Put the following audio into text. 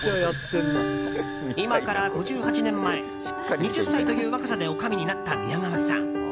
今から５８年前２０歳という若さでおかみになった宮川さん。